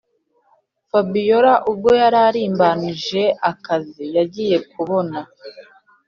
fabiora ubwo yararimbanyije akazi yagiye kubona